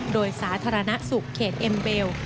โดยสาธารณสุขเขตเอ็มเบล